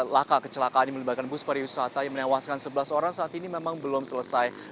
laka kecelakaan yang melibatkan bus pariwisata yang menewaskan sebelas orang saat ini memang belum selesai